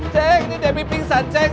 cek ini debbie pingsan cek